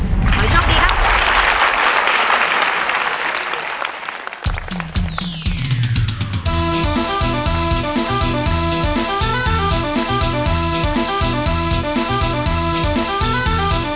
ไกลไกลกินสวัสดีเจ้าซู่เจ้าซู่แลก